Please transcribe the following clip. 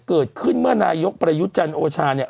เกิดขึ้นเมื่อนายกประยุทธ์จันทร์โอชาเนี่ย